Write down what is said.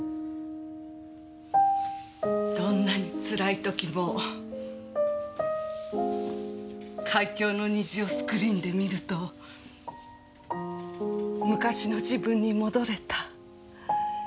どんなにつらい時も『海峡の虹』をスクリーンで観ると昔の自分に戻れた。